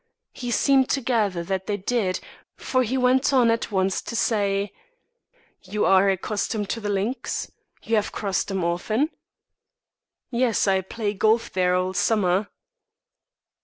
He seemed to gather that they did, for he went on at once to say: "You are accustomed to the links? You have crossed them often?" "Yes, I play golf there all summer."